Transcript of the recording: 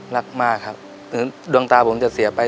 รักมากครับถึงดวงตาผมจะเสียไป